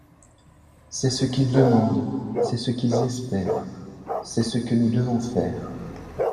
C’est ce qu’ils demandent, c’est ce qu’ils espèrent, c’est ce que nous devons faire.